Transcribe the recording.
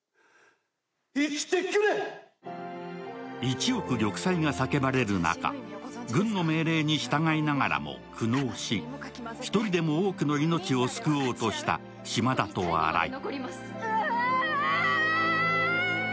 一億玉砕が叫ばれる中、軍の命令に従いながらも苦悩し一人でも多くの命を救おうとした島田と荒井。